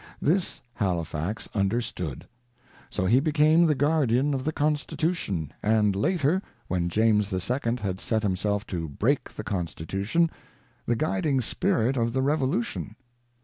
This Halifax understood ; so he became the guardian of the Constitution, and later, when James II had set himself to break the Constitution, the guiding spirit of the Revolution.